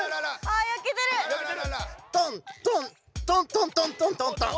トントントントントントントントン。